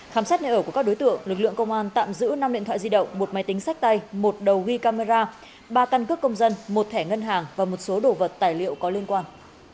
khám xét nơi ở của các đối tượng lực lượng công an tạm giữ năm điện thoại di động một máy tính sách tay một đầu ghi camera ba căn cước công dân một thẻ ngân hàng và một số đồ vật tài liệu có liên quan